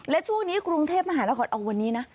และช่วงนี้กรุงเทพมหานครเอาวันนี้นะ